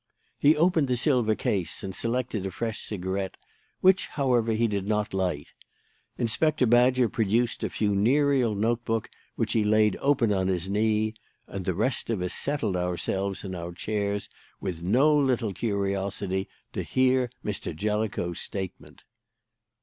He opened the silver case and selected a fresh cigarette, which, however, he did not light. Inspector Badger produced a funereal notebook, which he laid open on his knee; and the rest of us settled ourselves in our chairs with no little curiosity to hear Mr. Jellicoe's statement.